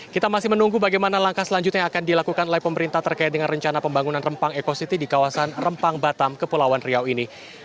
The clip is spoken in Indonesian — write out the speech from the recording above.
kita masih menunggu bagaimana langkah selanjutnya yang akan dilakukan oleh pemerintah terkait dengan rencana pembangunan rempang eco city di kawasan rempang batam kepulauan riau ini